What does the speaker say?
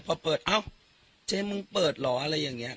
พอเปิดเอ้าเจ๊มึงเปิดเหรออะไรอย่างนี้